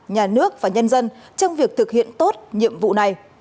nhà nước và nhân dân trong việc thực hiện tốt nhiệm vụ này